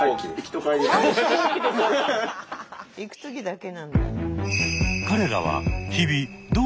行く時だけなんだ。